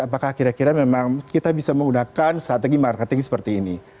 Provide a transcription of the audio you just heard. apakah kira kira memang kita bisa menggunakan strategi marketing seperti ini